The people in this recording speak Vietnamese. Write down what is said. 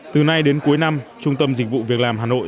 từ nay đến cuối năm trung tâm dịch vụ việc làm hà nội